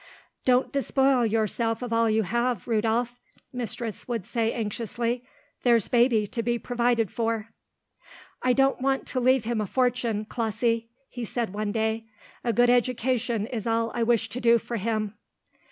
"Don't despoil yourself of all you have, Rudolph," mistress would say anxiously. "There's Baby to be provided for." "I don't want to leave him a fortune, Clossie," he said one day. "A good education is all I wish to do for him."